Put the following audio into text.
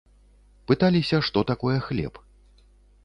Пыталіся, што такое хлеб.